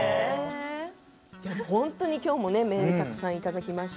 今日もメールたくさんいただきました。